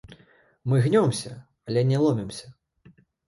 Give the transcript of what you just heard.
Мы гнёмся, але не ломімся.